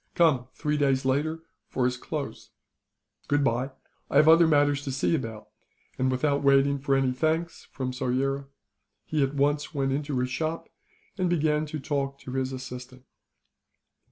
Come, three days later, for his clothes. "Goodbye! I have other matters to see about," and, without waiting for any thanks from Soyera, he at once went into his shop, and began to talk to his assistant.